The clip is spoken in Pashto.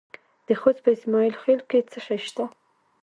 د خوست په اسماعیل خیل کې څه شی شته؟